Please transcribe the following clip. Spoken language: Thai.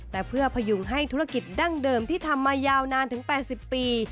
แต่เพื่อพยุงให้ธุรกิจดั้งเดิมที่ทำมายาวนานถึง๘๐ปี